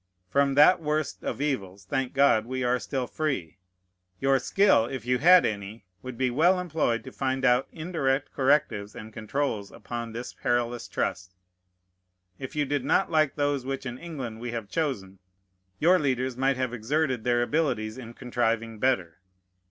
From that worst of evils, thank God, we are still free. Your skill, if you had any, would be well employed to find out indirect correctives and controls upon this perilous trust. If you did not like those which in England we have chosen, your leaders might have exerted their abilities in contriving better.